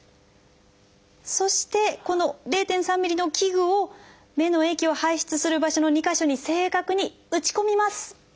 そしてこの０．３ｍｍの器具を目の液を排出する場所の２か所に正確に打ち込みます。